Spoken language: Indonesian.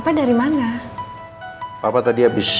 nanti aku akan berbicara sama nino